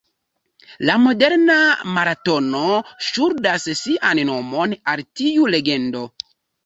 La moderna maratono ŝuldas sian nomon al tiu legendo.